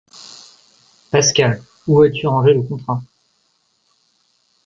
Pascal, où as-tu rangé le contrat?